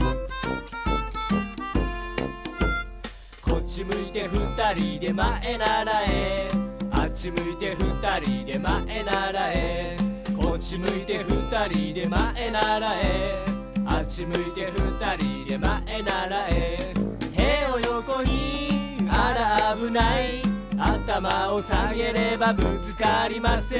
「こっちむいてふたりでまえならえ」「あっちむいてふたりでまえならえ」「こっちむいてふたりでまえならえ」「あっちむいてふたりでまえならえ」「てをよこにあらあぶない」「あたまをさげればぶつかりません」